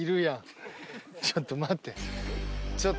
ちょっと待って。